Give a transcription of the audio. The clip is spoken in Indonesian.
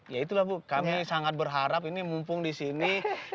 ya itulah bu kami sangat berharap ini mumpung di sini